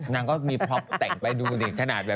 งานก็มีพรอปแต่งไปดูเด็กขนาดเม่